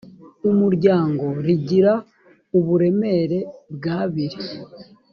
umuryango rigira uburemere bw abiri